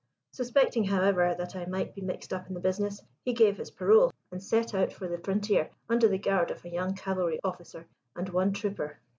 Suspecting, however, that I might be mixed up in the business, he gave his parole and set out for the frontier under the guard of a young cavalry officer and one trooper.